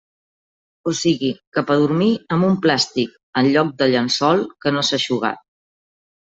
O sigui, cap a dormir amb un plàstic en lloc del llençol que no s'ha eixugat.